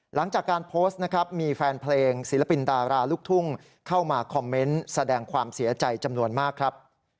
หลังจากการโพสต์นะครับมีแฟนเพลงศิลปินดาราลูกทุ่งเข้ามาคอมเมนต์แสดงความเสียใจจำนวนมากครับ